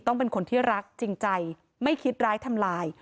เป็นคนที่รักจริงใจไม่คิดร้ายทำลาย